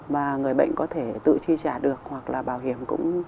và người bệnh có thể tự chi trả được hoặc là bảo hiểm cũng